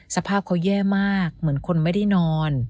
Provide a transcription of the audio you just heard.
สภาพเขาแย่มากเหมือนคนไม่ได้นอน